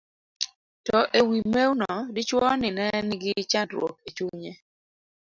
to ei mew no, dichuo ni ne nigi chandruok e chunye